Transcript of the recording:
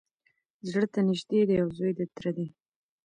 زړه ته نیژدې دی او زوی د تره دی